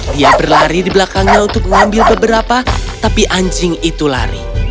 dia berlari di belakangnya untuk mengambil beberapa tapi anjing itu lari